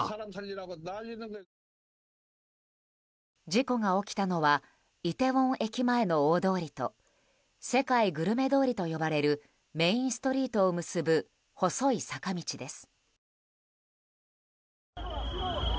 事故が起きたのはイテウォン駅前の大通りと世界グルメ通りと呼ばれるメインストリートを結ぶ細い坂道です。